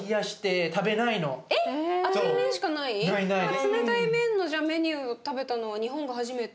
冷たい麺のメニュー食べたのは日本が初めて？